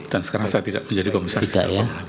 dan sekarang saya tidak menjadi komisar di stelkom lagi